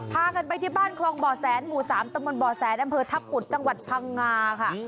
พากันไปที่บ้านคลองบ่อแสนหมู่๓ตำบลบ่อแสนอำเภอทัพกุฎจังหวัดพังงาค่ะ